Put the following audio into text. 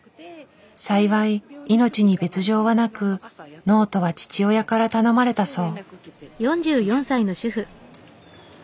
幸い命に別状はなくノートは父親から頼まれたそう。